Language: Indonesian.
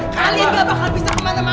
kalian gak bakal bisa kemana mana